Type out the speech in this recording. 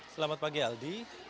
selamat pagi aldi